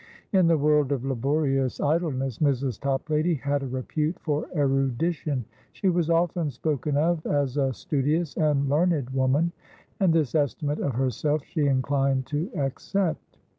In the world of laborious idleness, Mrs. Toplady had a repute for erudition; she was often spoken of as a studious and learned woman; and this estimate of herself she inclined to accept.